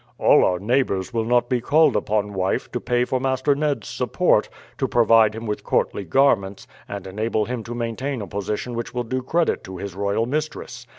"All our neighbours will not be called upon, wife, to pay for Master Ned's support, to provide him with courtly garments, and enable him to maintain a position which will do credit to his royal mistress.